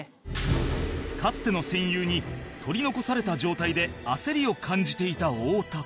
かつての戦友に取り残された状態で焦りを感じていた太田